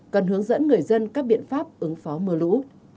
cần hướng dẫn người dân các biện pháp ứng phó mưa lũ